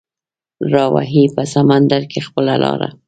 راوهي په سمندر کې خپله لاره